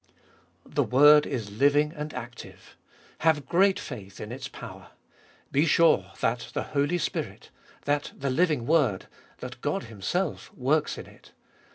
4. The word is living and active. Have great faith in its power. Be sure that the Holy Spirit, that the living Word, that God Himself works in it.